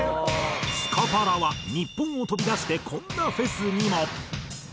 スカパラは日本を飛び出してこんなフェスにも。